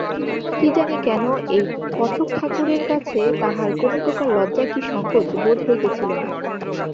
কি জানি কেন এই কথকঠাকুরের কাছে তাহার কোনোপ্রকার লজ্জা কি সংকোচ বোধ হইতেছিল না।